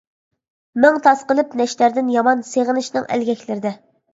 مىڭ تاسقىلىپ نەشتەردىن يامان، سېغىنىشنىڭ ئەلگەكلىرىدە.